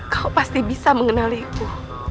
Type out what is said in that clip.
kau pasti bisa mengenaliku